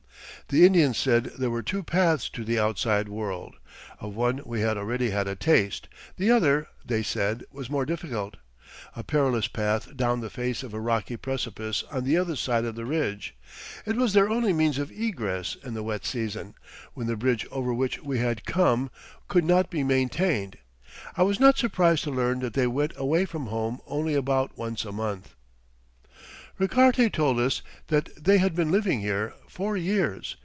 The Indians said there were two paths to the outside world. Of one we had already had a taste; the other, they said, was more difficult a perilous path down the face of a rocky precipice on the other side of the ridge. It was their only means of egress in the wet season, when the bridge over which we had come could not be maintained. I was not surprised to learn that they went away from home only "about once a month." Richarte told us that they had been living here four years.